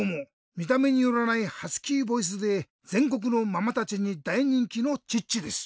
みためによらないハスキーボイスでぜんこくのママたちにだいにんきのチッチです。